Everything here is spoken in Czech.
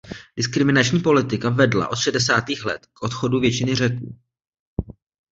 Diskriminační politika vedla od šedesátých let k odchodu většiny Řeků.